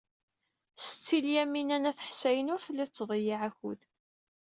Setti Lyamina n At Ḥsayen ur telli tettḍeyyiɛ akud.